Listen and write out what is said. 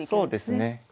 そうですね。